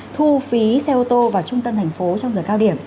thu phí xe ô tô vào trung tâm thành phố trong giờ cao điểm